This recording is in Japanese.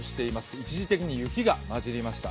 一時的に雪が混じりました。